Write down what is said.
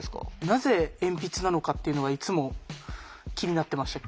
なぜ鉛筆なのかっていうのがいつも気になってました。